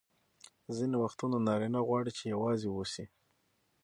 ځیني وختونه نارینه غواړي چي یوازي واوسي.